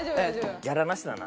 ギャラなしだな。